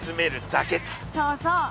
そうそう。